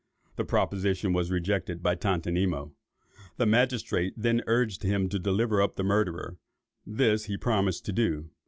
The proposition was rejected by Tontonimo. The magistrates then urged him to deliver up the murderer: this he promised to do.